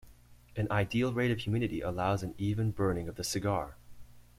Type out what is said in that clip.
An ideal rate of humidity allows an even burning of the cigar.